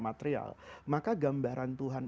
material maka gambaran tuhan